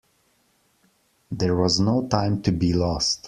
There was no time to be lost.